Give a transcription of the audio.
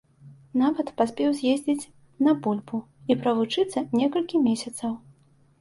Нават паспеў з'ездзіць на бульбу і правучыцца некалькі месяцаў.